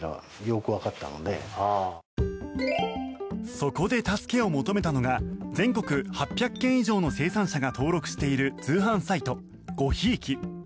そこで助けを求めたのが全国８００件以上の生産者が登録している通販サイトゴヒイキ。